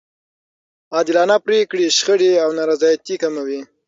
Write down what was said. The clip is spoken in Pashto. عادلانه پرېکړې شخړې او نارضایتي کموي.